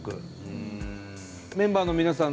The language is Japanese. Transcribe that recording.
メンバーの皆さん